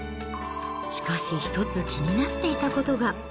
しかし一つ気になっていたことが。